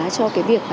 cho cái việc